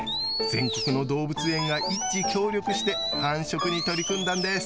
全国の動物園が一致協力して繁殖に取り組んだんです。